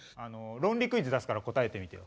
論理クイズ出すから答えてみてよ。